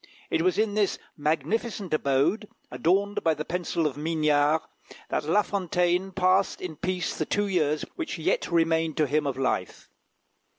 It was in this magnificent abode, adorned by the pencil of Mignard, that La Fontaine passed in peace the two years which yet remained to him of life.